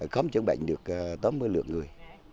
khám chữa bệnh được tới mươi lượt người